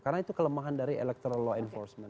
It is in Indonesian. karena itu kelemahan dari electoral law enforcement